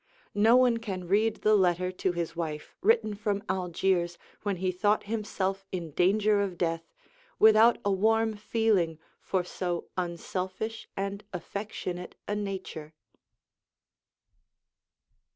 No one can read the letter to his wife, written from Algiers when he thought himself in danger of death, without a warm feeling for so unselfish and affectionate a nature.